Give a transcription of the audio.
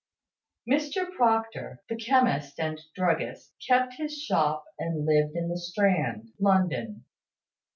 Mr Proctor, the chemist and druggist, kept his shop, and lived in the Strand, London.